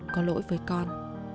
có lỗi với con